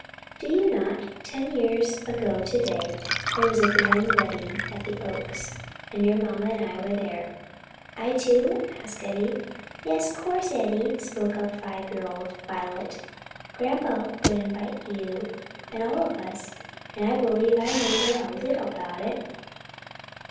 "Do you not? Ten years ago to day there was a grand wedding at the Oaks, and your mamma and I were there." "I too?" asked Eddie. "Yes, course, Eddie," spoke up five year old Violet, "grandpa would 'vite you and all of us; and I b'lieve I 'member a little about it."